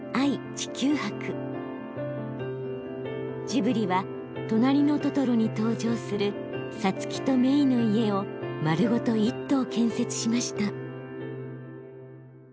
ジブリは「となりのトトロ」に登場する「サツキとメイの家」を丸ごと１棟建設しました。